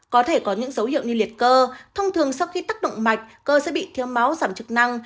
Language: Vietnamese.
có thể có những dấu hiệu như liệt cơ thông thường sau khi tác động mạch cơ sẽ bị thiếu máu giảm trực năng